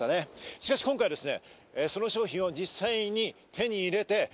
しかし今回はですね。